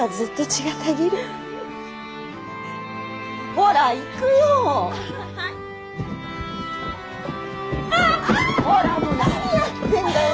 ほらもう何やってんだよ。